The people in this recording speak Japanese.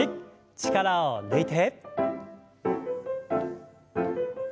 力を抜いて。